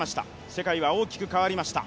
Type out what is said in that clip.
世界は大きく変わりました。